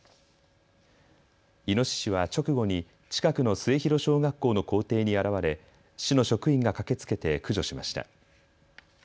イノシシは直後に近くの末広小学校の校庭に現れ市の職員が駆けつけて駆除しました。